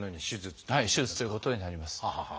手術ということになります。